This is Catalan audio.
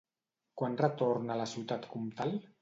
Quan retorna a la ciutat comtal?